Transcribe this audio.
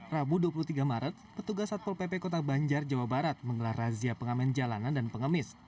rabu dua puluh tiga maret petugas satpol pp kota banjar jawa barat mengelar razia pengamen jalanan dan pengemis